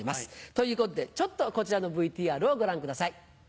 ということでちょっとこちらのＶＴＲをご覧ください。